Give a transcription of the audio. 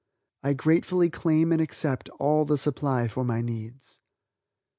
I gratefully claim and accept all the supply for my needs."